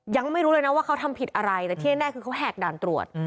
ยังไม่รู้เลยนะว่าเขาทำผิดอะไรแต่ที่แน่คือเขาแหกด่านตรวจ